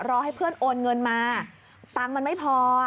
รอให้เพื่อนโอนเงินมาตังค์มันไม่พอ